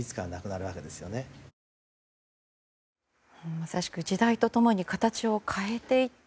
まさしく時代と共に形を変えていった